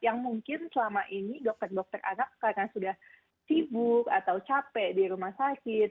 yang mungkin selama ini dokter dokter anak karena sudah sibuk atau capek di rumah sakit